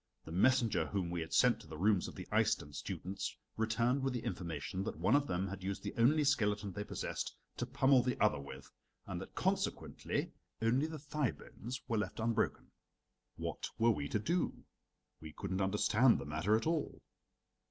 The messenger whom we had sent to the rooms of the Iceland students returned with the information that one of them had used the only skeleton they possessed to pummel the other with, and that consequently only the thigh bones were left unbroken. What were we to do? We couldn't understand the matter at all.